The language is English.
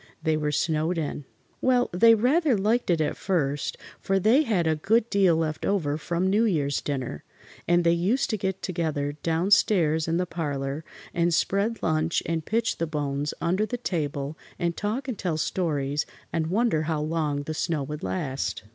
They were snowed in! Well, they rather liked it at first, for they had a good deal left over from New Year's dinner, and they used to get together down stairs in the parlor and spread lunch and pitch the bones under the table and talk and tell stories and wonder how long the snow would last.